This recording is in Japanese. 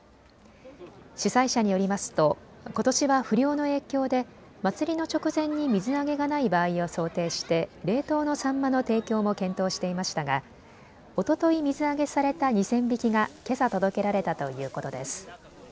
主催者によりますとことしは不漁の影響で祭りの直前に水揚げがない場合を想定して冷凍のサンマの提供も検討していましたがおととい水揚げされた２０００匹がけさ届けられたということです。